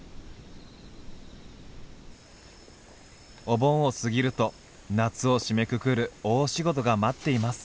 お盆を過ぎると夏を締めくくる大仕事が待っています。